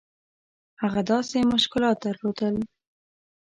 هغه داسې مشکلات درلودل.